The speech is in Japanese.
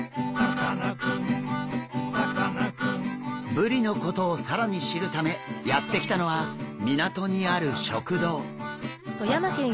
ブリのことを更に知るためやって来たのは港にある食堂。